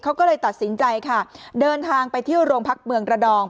เขาก็เลยตัดสินใจค่ะเดินทางไปที่โรงพักเมืองระนอง